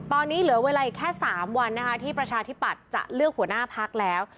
ตอนนี้เหลือเวลาอีกแค่๓วันนะคะที่ประชาธิปัตย์จะเลือกหัวหน้าพักแล้ว